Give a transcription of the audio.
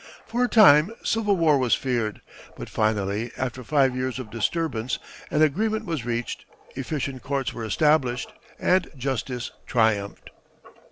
For a time civil war was feared; but finally, after five years of disturbance, an agreement was reached, efficient courts were established, and justice triumphed.